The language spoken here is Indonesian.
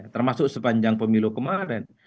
termasuk sepanjang pemilu kemarin